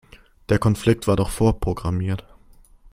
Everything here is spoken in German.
Der Konflikt war doch vorprogrammiert.